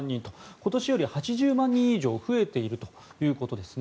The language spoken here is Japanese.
今年より８０万人以上増えているということです。